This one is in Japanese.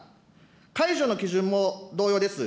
解除の基準も同様です。